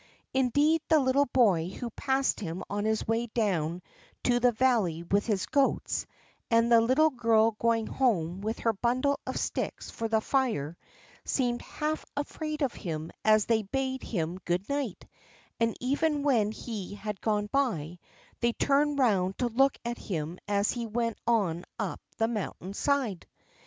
Indeed, the little boy who passed him on his way down to the valley with his goats, and the little girl going home with her bundle of sticks for the fire, seemed half afraid of him as they bade him good night, and even when he had gone by, they turned round to look at him as he went on up the mountain side.